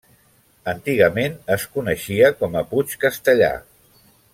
Antigament es coneixia com a puig Castellar.